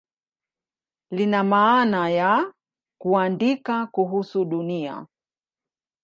Lina maana ya "kuandika kuhusu Dunia".